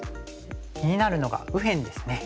気になるのが右辺ですね。